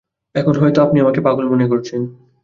এখনো হয়তো আপনি আমাকে পাগল মনে করছেন।